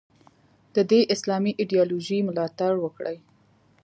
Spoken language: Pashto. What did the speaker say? د دې اسلامي ایدیالوژۍ ملاتړ وکړي.